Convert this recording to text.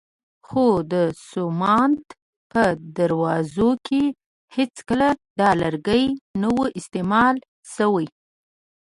خو د سومنات په دروازو کې هېڅکله دا لرګی نه و استعمال شوی.